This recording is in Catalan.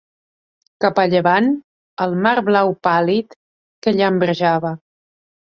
Cap a llevant, el mar blau pàl·lid que llambrejava